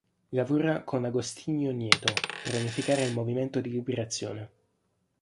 Lavora con Agostinho Neto per unificare il Movimento di liberazione.